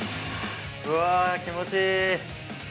うわー、気持ちいい！